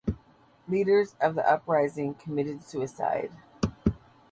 Leaders of the uprising committed suicide.